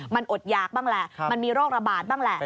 มันอดหยากบ้างแหละมันมีโรคระบาดบ้างแหละ